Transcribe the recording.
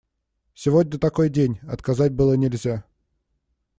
Сегодня такой день – отказать было нельзя.